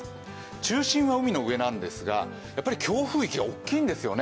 中心は海の上なんですが、強風域が大きいんですよね。